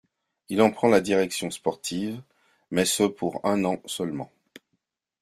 Il en prend la direction sportive mais ce pour un an seulement.